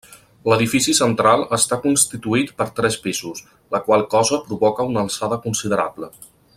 L'edifici central està constituït per tres pisos, la qual cosa provoca una alçada considerable.